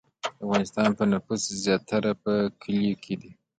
د افغانستان نفوس زیاتره په کلیو کې دی